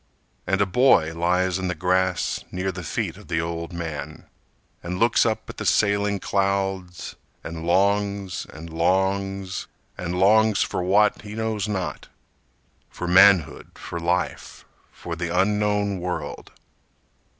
And a boy lies in the grass Near the feet of the old man, And looks up at the sailing clouds, And longs, and longs, and longs For what, he knows not: For manhood, for life, for the unknown world!